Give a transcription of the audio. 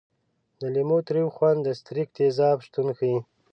د لیمو تریو خوند د ستریک تیزاب شتون ښيي.